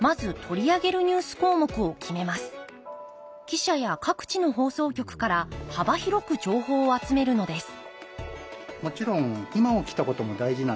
記者や各地の放送局から幅広く情報を集めるのです